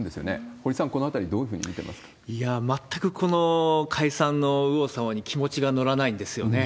堀さん、このあたりどういうふういや、全くこの解散の右往左往に気持ちが乗らないんですよね。